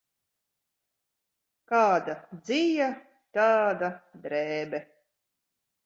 Kāda dzija, tāda drēbe.